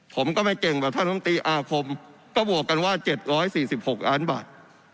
ผมก็ไม่เก่งแบบท่านลำตีอาคมก็บวกกันว่า๗๔๖ล้านบาท